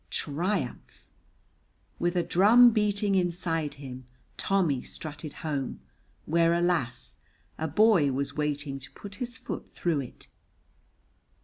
Triumph! With a drum beating inside him Tommy strutted home, where, alas, a boy was waiting to put his foot through it.